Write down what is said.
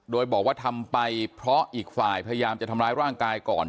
โดยบอกว่าทำไปเพราะอีกฝ่ายพยายามจะทำร้ายร่างกายก่อน